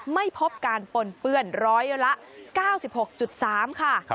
ไม่พบการปนเปื้อนร้อยละ๙๖๓ค่ะ